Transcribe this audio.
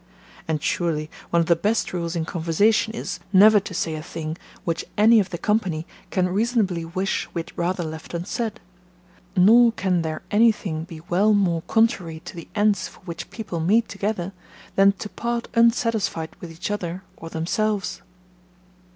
And surely one of the best rules in conversation is, never to say a thing which any of the company can reasonably wish we had rather left unsaid; nor can there anything be well more contrary to the ends for which people meet together, than to part unsatisfied with each other or themselves.